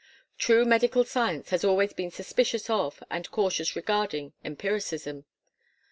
True medical science has always been suspicious of, and cautious regarding, empiricism.